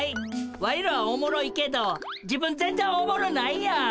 ワイらはおもろいけど自分ぜんぜんおもろないやん。